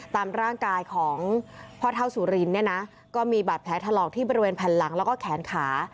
ตามร่างกายของพ่อเท่าสุรินเนี่ยนะก็มีบาดแผลถลอกที่บริเวณแผ่นหลังแล้วก็แขนขา